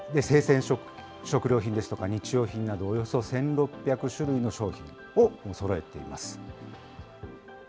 生鮮食料品ですとか、日用品などおよそ１６００種類の商品をそろえています。